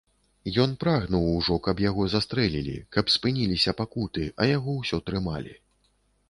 Ён прагнуў ужо, каб яго застрэлілі, каб спыніліся пакуты, а яго ўсё трымалі.